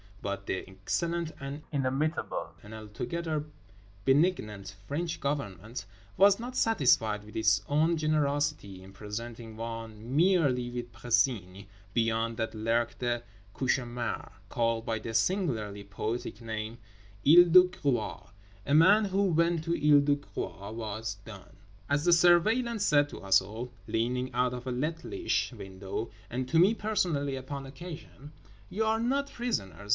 But the excellent and inimitable and altogether benignant French Government was not satisfied with its own generosity in presenting one merely with Précigne—beyond that lurked a cauchemar called by the singularly poetic name: Isle de Groix. A man who went to Isle de Groix was done. As the Surveillant said to us all, leaning out of a littlish window, and to me personally upon occasion— "You are not prisoners.